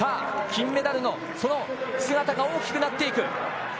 金メダルの姿が大きくなっていく。